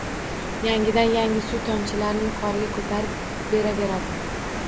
Yangidan-yangi suv tomchilarini yuqoriga ko’tarib beraveradi…